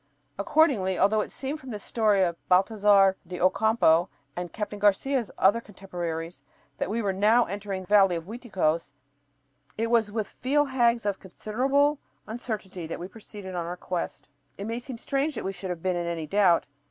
Accordingly, although it seemed from the story of Baltasar de Ocampo and Captain Garcia's other contemporaries that we were now entering the valley of Uiticos, it was with feel hags of considerable uncertainty that we proceeded on our quest. It may seem strange that we should have been in any doubt.